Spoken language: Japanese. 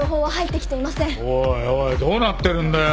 おいおいどうなってるんだよ。